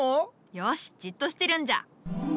よしじっとしてるんじゃ。